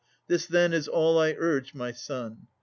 This then is all I urge, my son.